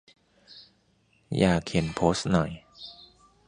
อยากเห็น โพสต์หน่อย